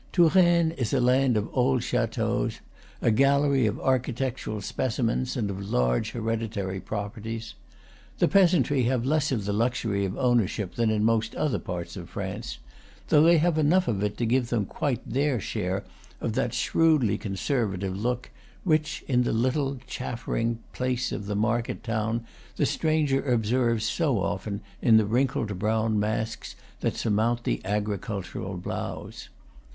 Touraine is a land of old chateaux, a gallery of architectural specimens and of large hereditary pro perties. The peasantry have less of the luxury of ownership than in most other parts of France; though they have enough of it to give them quite their share of that shrewdly conservative look which, in the little, chaffering, place of the market town, the stranger ob serves so often in the wrinkled brown masks that sur mount the agricultural blouse.